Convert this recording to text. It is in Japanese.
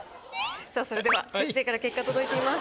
さあそれでは先生から結果届いています。